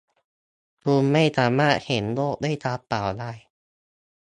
คุณไม่สามารถเห็นโลกด้วยตาเปล่าได้